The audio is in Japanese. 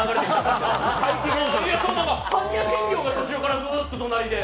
般若心経が途中からずーっと隣で。